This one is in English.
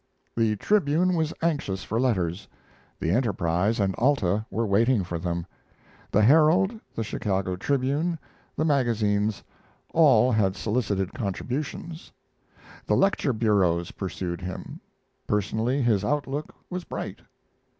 The Tribune was anxious for letters; the Enterprise and Alta were waiting for them; the Herald, the Chicago Tribune, the magazines all had solicited contributions; the lecture bureaus pursued him. Personally his outlook was bright.